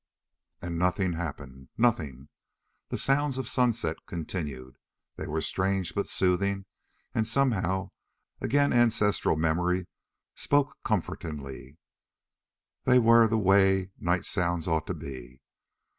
And nothing happened. Nothing. The sounds of sunset continued. They were strange but soothing and somehow again ancestral memory spoke comfortingly they were the way night sounds ought to be.